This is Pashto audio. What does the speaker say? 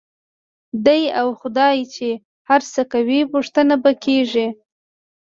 دی او خدای یې چې هر څه کوي، پوښتنه به کېږي.